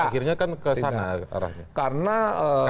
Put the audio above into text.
akhirnya kan ke sana